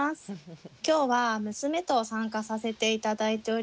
今日は娘と参加させて頂いております。